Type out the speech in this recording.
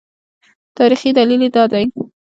تاریخي دلیل یې دا دی.